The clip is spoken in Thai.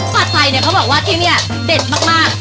ผัดไทยเนี่ยเขาบอกว่าที่นี่เด็ดมาก